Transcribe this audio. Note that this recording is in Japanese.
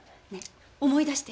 思い出して。